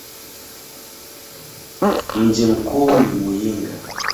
Mji mkuu ni Muyinga.